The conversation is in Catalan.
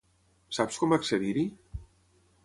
Saps com accedir-hi?